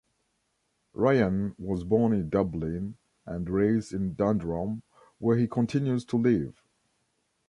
Ryan was born in Dublin and raised in Dundrum where he continues to live.